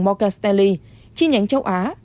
morgan stanley chi nhánh châu á